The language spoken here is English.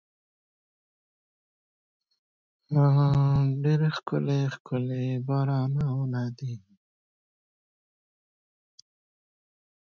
Both parents predeceased her and she never married or had children.